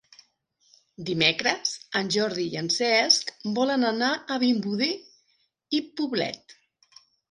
Dimecres en Jordi i en Cesc volen anar a Vimbodí i Poblet.